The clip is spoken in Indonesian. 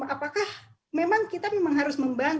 apakah memang kita memang harus membangun